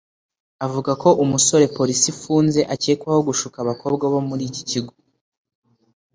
Avuga ko umusore polisi ifunze akekwaho gushuka abakobwa bo muri iki kigo